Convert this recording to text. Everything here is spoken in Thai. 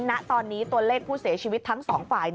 ณตอนนี้ตัวเลขผู้เสียชีวิตทั้งสองฝ่าย